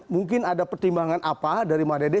mungkin ada pertimbangan apa dari mbak dede